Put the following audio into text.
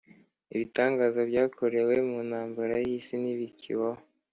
ibitangaza byakorewe muntambara yisi ntibikibaho